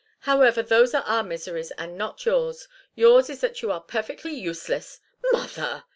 However, those are our miseries and not yours. Yours is that you are perfectly useless " "Mother!"